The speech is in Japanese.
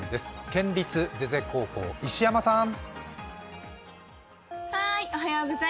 県立膳所高校、石山さん。